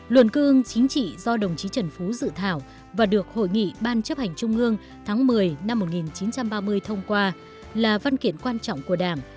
luận cương chính trị do đồng chí trần phú dự thảo và được hội nghị ban chấp hành trung ương tháng một mươi năm một nghìn chín trăm ba mươi thông qua là văn kiện quan trọng của đảng